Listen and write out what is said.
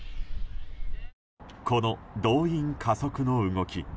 この動員加速の動き